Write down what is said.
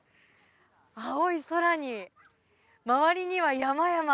青い空に、周りには山々。